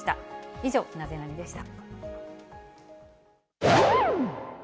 以上、ナゼナニっ？でした。